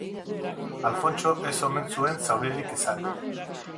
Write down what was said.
Alfontso ez omen zuen zauririk izan.